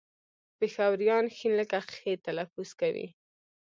پېښوريان ښ لکه خ تلفظ کوي